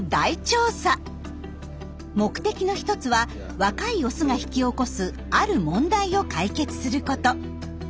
目的の１つは若いオスが引き起こすある問題を解決すること。